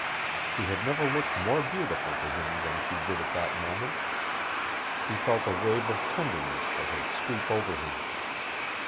She had never looked more beautiful to him than she did at that moment. He felt a wave of tenderness for her sweep over him.